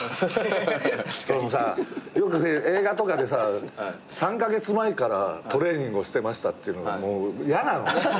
そのさよく映画とかでさ「３カ月前からトレーニングをしてました」っていうのが嫌なの。